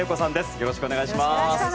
よろしくお願いします。